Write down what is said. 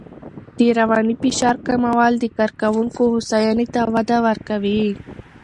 د رواني فشار کمول د کارکوونکو هوساینې ته وده ورکوي.